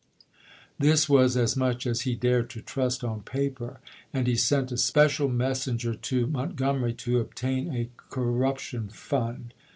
This was as much as he dared to trust chap. i. on paper, and he sent a special messenger to Mont Bragg to sromery to obtain a corruption fund.